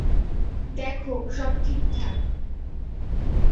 দেখ, সব ঠিকঠাক।